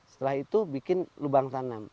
setelah itu bikin lubang tanam